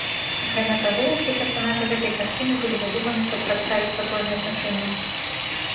Акрамя таго, усе персанажы гэтай карціны былі задуманы, каб прадставіць падвойнае значэнне.